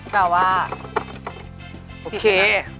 แต่ว่าโอเค